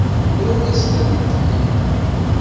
Rrant-asent-t-id.